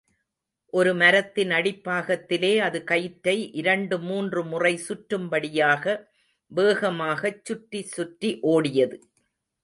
ஒரு மரத்தின் அடிப்பாகத்திலே அது கயிற்றை இரண்டு மூன்று முறை சுற்றும்படியாக வேகமாகச் சுற்றி சுற்றி ஓடியது.